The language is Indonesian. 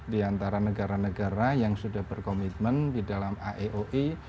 di antara negara negara yang sudah berkomitmen di dalam aeoe